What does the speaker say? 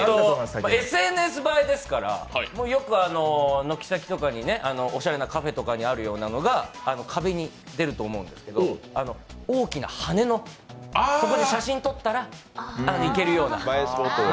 ＳＮＳ映えですから、よく軒先とかおしゃれなカフェとかにあるようなのが壁に出ると思うんですけど大きな羽の、そこで写真撮ったらいけるような。